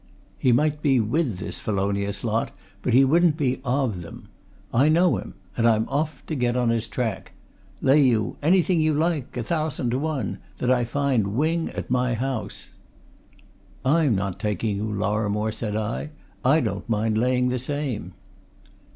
He might be with this felonious lot, but he wouldn't be of them. I know him! and I'm off to get on his track. Lay you anything you like a thousand to one! that I find Wing at my house!" "I'm not taking you, Lorrimore," said I. "I don't mind laying the same."